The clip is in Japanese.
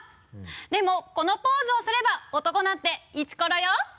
「でもこのポーズをすれば男なんてイチコロよ」